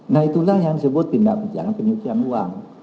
nah itulah yang disebut tindak pidana pencucian uang